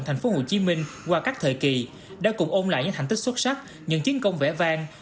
tp hcm qua các thời kỳ đã cùng ôn lại những hành tích xuất sắc những chiến công vẽ vang